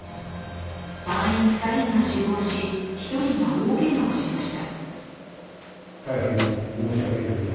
隊員２人が死亡し、１人が大けがをしました。